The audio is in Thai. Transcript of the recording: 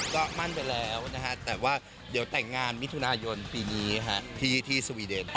ก็มั่นไปแล้วนะฮะแต่ว่าเดี๋ยวแต่งงานมิถุนายนปีนี้ที่สวีเดน